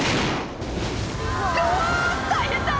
「どわ大変だ！